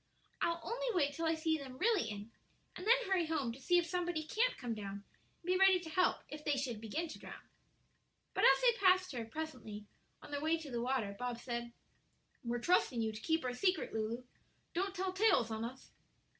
"I'll only wait till I see them really in, and then hurry home to see if somebody can't come down and be ready to help if they should begin to drown." But as they passed her, presently, on their way to the water, Bob said: "We're trusting you to keep our secret, Lulu; don't tell tales on us."